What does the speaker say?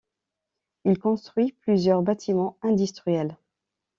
Il y construit plusieurs bâtiments industriels.